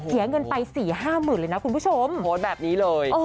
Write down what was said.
เสียเงินไปสี่ห้าหมื่นเลยนะคุณผู้ชมโพสต์แบบนี้เลย